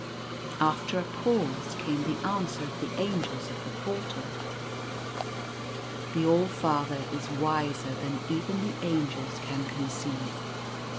After a pause came the answer of the Angels of the Portal :" The All Father is wiser than even the Angels can con ceive.